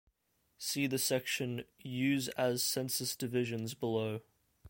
See the section "Use as census divisions" below.